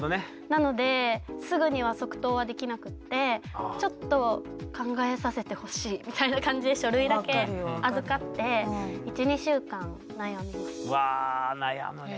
なのですぐには即答はできなくてちょっと考えさせてほしいみたいな感じで書類だけ預かってうわ悩むね。